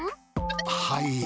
はい。